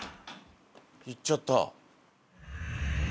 行っちゃった。